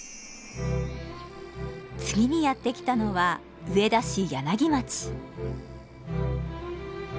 次にやって来たのは上田市柳町。